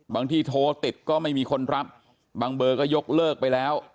บางทีโทรติดก็ไม่มีคนรับบางเบอร์ก็ยกเลิกไปแล้ว